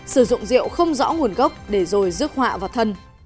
sử dụng rượu không rõ nguồn gốc để rồi rước họa vào thân